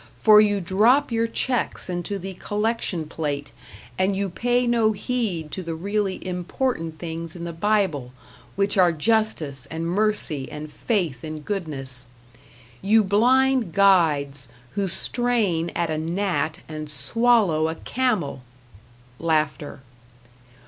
for you drop your checks into the collection plate and you pay no heed to the really important things in the Bible, which are justice and mercy and faith in goodness. You blind guides, who strain at a gnat and swallow a camel!